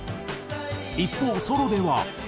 一方ソロでは。